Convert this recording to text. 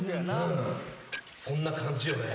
そんな感じよね。